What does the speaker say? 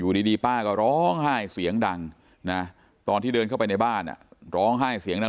ดีป้าก็ร้องไห้เสียงดังนะตอนที่เดินเข้าไปในบ้านร้องไห้เสียงดัง